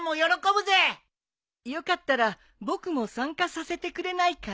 よかったら僕も参加させてくれないかい？